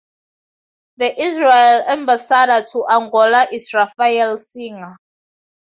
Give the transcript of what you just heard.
The Israeli ambassador to Angola is Raphael Singer.